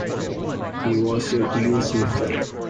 He was a 'glue-sniffer'?